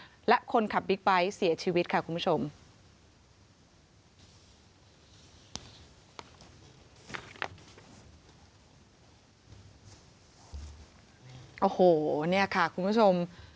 โอ้โหเนี่ยค่ะคุณผู้ชม